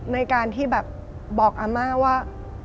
ในการที่แบบบอกอาม่าว่า